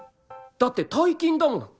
だって大金だもの